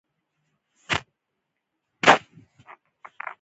ځمکنی شکل د افغانانو د اړتیاوو د پوره کولو یوه وسیله ده.